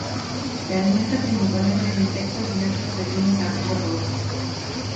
Se alimenta principalmente de insectos y otros pequeños artrópodos.